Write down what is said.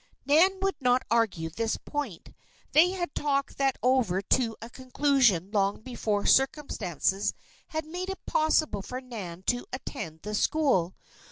Nan would not argue this point. They had talked that over to a conclusion long before circumstances had made it possible for Nan to attend the school.